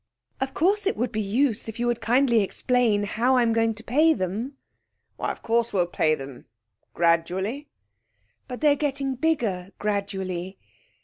'Of course it would be use if you would kindly explain how I'm going to pay them?' 'Why, of course, we'll pay them gradually.' 'But they're getting bigger gradually.'